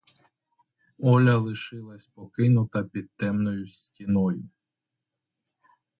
Оля лишилась покинута під темною стіною.